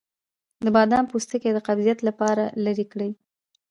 د بادام پوستکی د قبضیت لپاره لرې کړئ